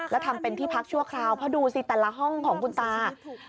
แล้วทำเป็นที่พักชั่วคราวเพราะดูสิแต่ละห้องของคุณตา